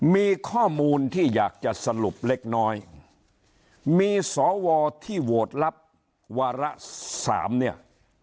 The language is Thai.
มีข้อมูลที่อยากจะสรุปเล็กน้อยมีสวที่โหวตลับวาระสามเนี่ย